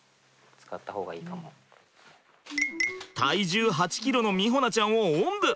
体重８キロの美穂菜ちゃんをおんぶ。